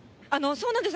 そうなんです。